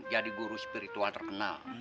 jadi guru spiritual terkenal